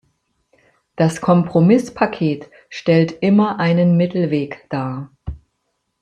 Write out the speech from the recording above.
Das Kompromisspaket stellt immer einen Mittelweg dar.